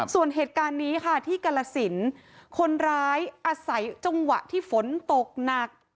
ส่วนเหตุการณ์นี้ค่ะที่กรสินคนร้ายอาศัยจังหวะที่ฝนตกหนัก